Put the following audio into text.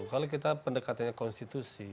kalau kita pendekatkan konstitusi